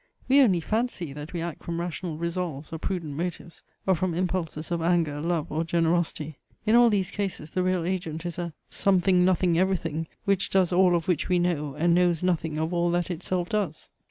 We only fancy, that we act from rational resolves, or prudent motives, or from impulses of anger, love, or generosity. In all these cases the real agent is a something nothing everything, which does all of which we know, and knows nothing of all that itself does.